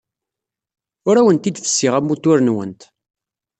Ur awent-d-fessiɣ amutur-nwent.